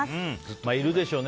いるでしょうね。